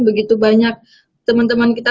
banyak teman teman kita